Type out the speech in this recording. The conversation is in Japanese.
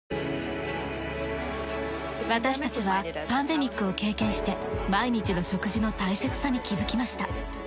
私たちはパンデミックを経験して毎日の食事の大切さに気づきました。